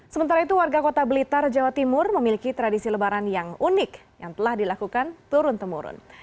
sementara itu warga kota blitar jawa timur memiliki tradisi lebaran yang unik yang telah dilakukan turun temurun